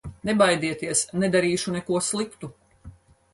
Nebaidieties, nedarīšu neko sliktu!